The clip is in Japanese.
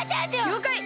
りょうかい！